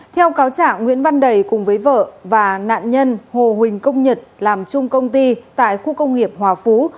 theo cáo trả nguyễn văn đầy cùng với vợ và nạn nhân hồ huỳnh công nhật làm chung công ty tại khu công nghiệp hòa phú